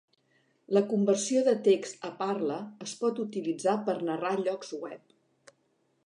La conversió de text a parla es pot utilitzar per narrar llocs web.